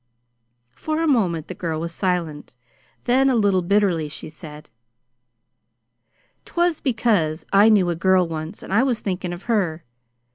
For a moment the girl was silent; then, a little bitterly she said: "'Twas because I knew a girl once, and I was thinkin' of her.